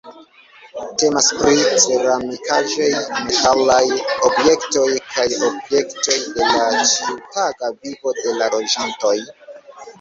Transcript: Temas pri ceramikaĵoj, metalaj objektoj kaj objektoj de la ĉiutaga vivo de la loĝantoj.